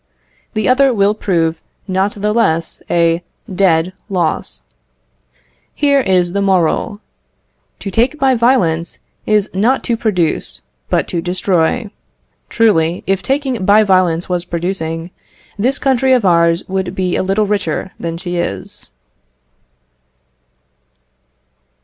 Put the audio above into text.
The other will prove not the less a dead loss. Here is the moral: To take by violence is not to produce, but to destroy. Truly, if taking by violence was producing, this country of ours would be a little richer than she is.